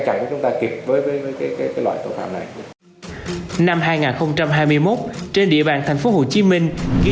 chặn cho chúng ta kịp với cái loại tội phạm này năm hai nghìn hai mươi một trên địa bàn thành phố hồ chí minh ghi